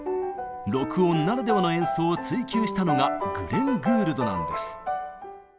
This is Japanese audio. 録音ならではの演奏を追求したのがグレン・グールドなんです。